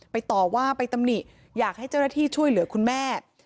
ต่อว่าไปตำหนิอยากให้เจ้าหน้าที่ช่วยเหลือคุณแม่